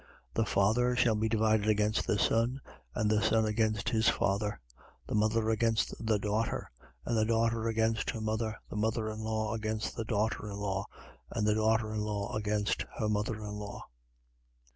12:53. The father shall be divided against the son and the son against his father: the mother against the daughter and the daughter against her mother: the mother in law against the daughter in law and the daughter in law against her mother in law.